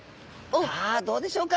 さあどうでしょうか？